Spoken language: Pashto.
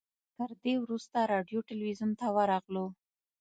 تر دې وروسته راډیو تلویزیون ته ورغلو.